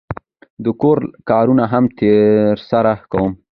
د کور کارونه هم ترسره کوم.